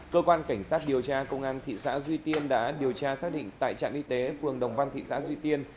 cơ quan cảnh sát điều tra công an thị xã duy tiên đã điều tra xác định tại trạm y tế phường đồng văn thị xã duy tiên